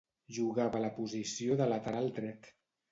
Jugava a la posició de lateral dret.